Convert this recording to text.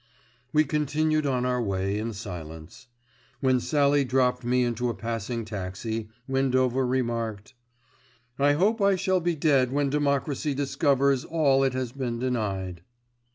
We continued on our way in silence. When Sallie dropped me into a passing taxi, Windover remarked: "I hope I shall be dead when Democracy discovers all it has been denied."